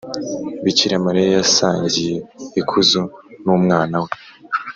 bikira mariya yasangiye ikuzo n’umwana we.